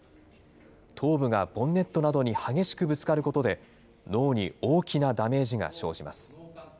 頭部がボンネットなどに激しくぶつかることで、脳に大きなダメージが生じます。